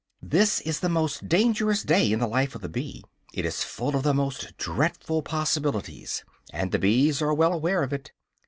This is the most dangerous day in the life of the bee; it is full of the most dreadful possibilities; and the bees are well aware of it.